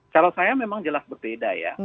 kalau saya memang jelas berbeda ya